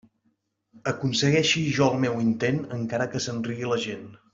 Aconsegueixi jo el meu intent, encara que se'n rigui la gent.